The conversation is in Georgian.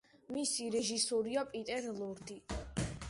მისი რეჟისორია პიტერ ლორდი.